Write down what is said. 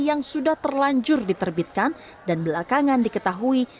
yang sudah terlanjur diterbitkan dan belakangan diketahui